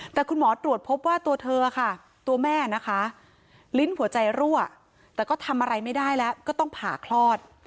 แต่คุณหมอตรวจพบว่าตัวเธอค่ะตัวแม่นะคะลิ้นหัวใจรั่วแต่ก็ทำอะไรไม่ได้แล้วก็ต้องผ่าคลอด